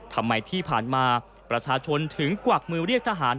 ที่ผ่านมาประชาชนถึงกวักมือเรียกทหาร